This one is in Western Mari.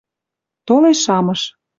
Толеш шамыш: